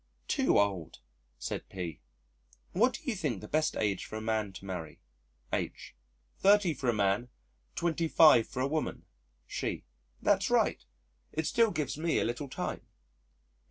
"Too old," said P. "What do you think the best age for a man to marry?" H.: "Thirty for a man, twenty five for a woman." She: "That's right: it still gives me a little time."